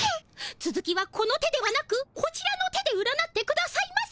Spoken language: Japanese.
つづきはこの手ではなくこちらの手で占ってくださいませ。